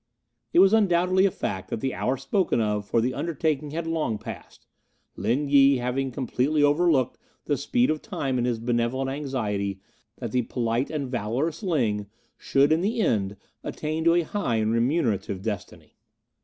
It was undoubtedly a fact that the hour spoken of for the undertaking had long passed, Lin Yi having completely overlooked the speed of time in his benevolent anxiety that the polite and valorous Ling should in the end attain to a high and remunerative destiny.